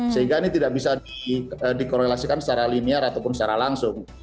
sehingga ini tidak bisa dikorelasikan secara linear ataupun secara langsung